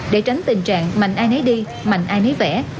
để tránh tình trạng mạnh ai nấy đi mạnh ai nấy vẽ